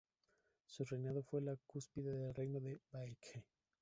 Su reinado fue la cúspide del reino de Baekje.